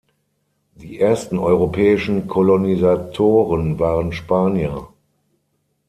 Die ersten europäischen Kolonisatoren waren Spanier.